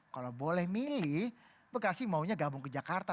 kalau boleh milih bekasi maunya gabung ke jakarta